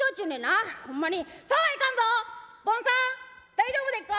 大丈夫でっか？